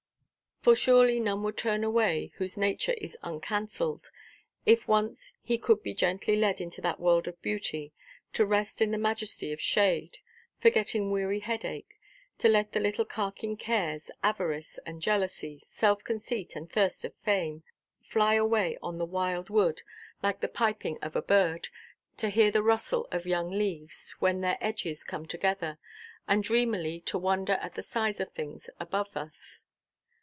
For surely none would turn away, whose nature is uncancelled, if once he could be gently led into that world of beauty. To rest in the majesty of shade, forgetting weary headache; to let the little carking cares, avarice and jealousy, self–conceit and thirst of fame, fly away on the wild wood, like the piping of a bird; to hear the rustle of young leaves, when their edges come together, and dreamily to wonder at the size of things above us.